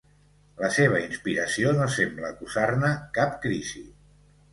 La seva inspiració no sembla acusar-ne cap crisi.